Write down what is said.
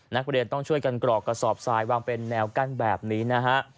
นักเรียนต้องช่วยกันกรอกกระสอบทรายวางเป็นแนวกั้นแบบนี้นะฮะ